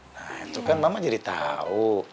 nah itu kan mama jadi tahu